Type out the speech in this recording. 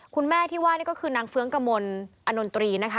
คุณแม่ที่ว่านี่ก็คือนางเฟื้องกมลอนนตรีนะคะ